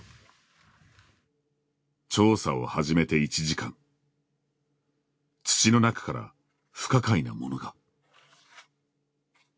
調査を始めて１時間土の中から不可解なものが。